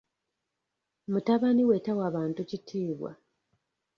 Mutabani we tawa bantu kitiibwa.